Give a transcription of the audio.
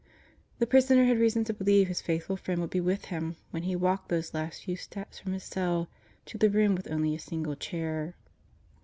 The prisoner had reason to believe his faithful friend would be with him when he walked those last few steps from his cell to the room with only a single chair.